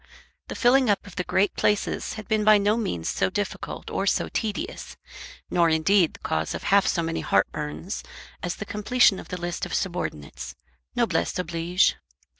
The filling up of the great places had been by no means so difficult or so tedious, nor indeed the cause of half so many heartburns, as the completion of the list of the subordinates. _Noblesse oblige.